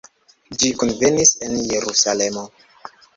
Ĝi kunvenis en Jerusalemo.